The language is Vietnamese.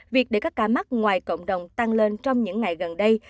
việc để các ca mắc ngoài cộng đồng tăng lên trong những ngày gần đây